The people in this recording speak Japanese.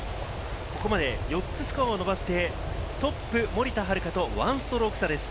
ここまで４つスコアを伸ばして、トップ・森田遥と１ストローク差です。